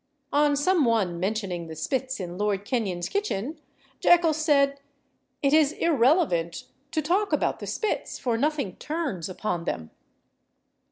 On some one mentioning the spits in Lord Kenyon's kitchen, Jekyll said, "It is irrelevant to talk about the spits, for nothing turns upon them."